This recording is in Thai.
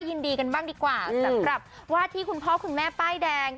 ยินดีกันบ้างดีกว่าสำหรับวาดที่คุณพ่อคุณแม่ป้ายแดง